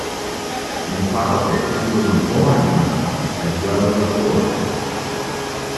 In politics he was an Orangeman as well as a Tory.